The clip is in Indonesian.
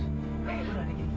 kamu juga bantuin katanya